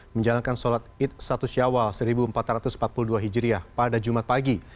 menjalankan sholat id satu syawal seribu empat ratus empat puluh dua hijriah pada jumat pagi